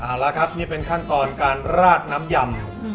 เอาละครับนี่เป็นขั้นตอนการราดน้ำยำ